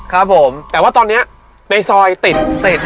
ครับผมแต่ว่าตอนนี้ในซอยติดติด